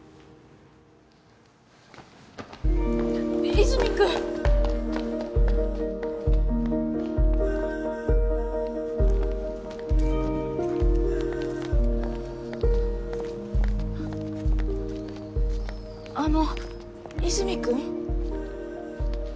和泉君あの和泉君？